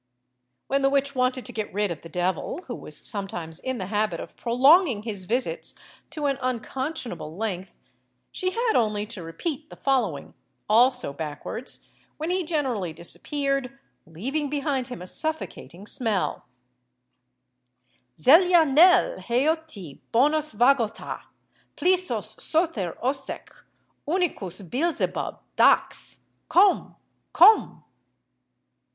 When the witch wanted to get rid of the devil, who was sometimes in the habit of prolonging his visits to an unconscionable length, she had only to repeat the following, also backwards, when he generally disappeared, leaving behind him a suffocating smell: "Zellianelle Heotti Bonus Vagotha Plisos sother osech unicus Beelzebub Dax! Komm! Komm!"